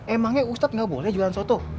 emangnya ustadz gak boleh jualan soto